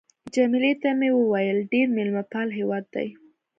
جميله ته مې وویل: ډېر مېلمه پال هېواد دی.